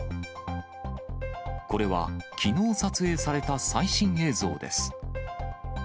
これはきのう撮影された最新映像です。